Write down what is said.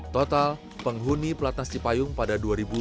total penghuni pelatnas cipayung pada dua ribu dua puluh